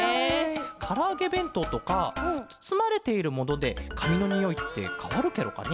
からあげべんとうとかつつまれているものでかみのにおいってかわるケロかね？